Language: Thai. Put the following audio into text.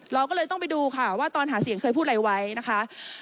เราก็เลยต้องไปดูค่ะว่าตอนหาเสียงเคยพูดอะไรไว้นะคะ